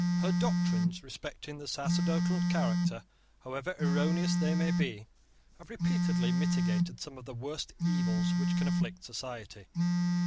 Her doctrines respecting the sacerdotal character, however erroneous they may be, have repeatedly mitigated some of the worst evils which can afflict society.